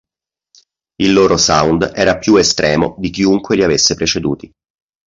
Il loro sound era più estremo di chiunque li avesse preceduti.